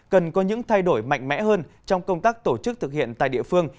cần có những thay đổi mạnh mẽ hơn trong công tác tổ chức thực hiện tại địa phương